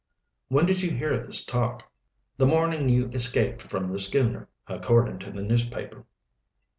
"When did you hear this talk?" "The morning you escaped from the schooner, accordin' to the newspaper."